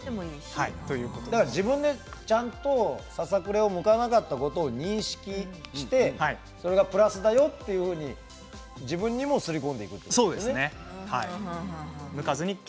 自分でちゃんとささくれをを抜かなかったことを認識してそれがプラスだよって自分にもすり込んでいくんだよね。